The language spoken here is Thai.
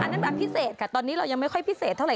นั่นแบบพิเศษค่ะตอนนี้เรายังไม่ค่อยพิเศษเท่าไ